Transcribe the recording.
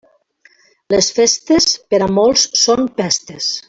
Les festes, per a molts són pestes.